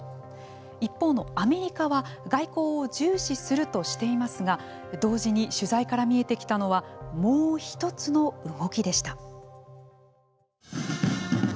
一方のアメリカは外交を重視するとしていますが同時に、取材から見えてきたのはもう一つの動きでした。